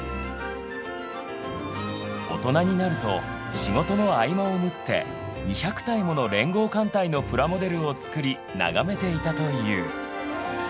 大人になると仕事の合間を縫って２００体もの連合艦隊のプラモデルを作り眺めていたという。